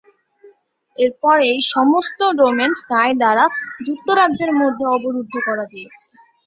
এরপরে এই সমস্ত ডোমেন স্কাই দ্বারা যুক্তরাজ্যের মধ্যে অবরুদ্ধ করা হয়েছে।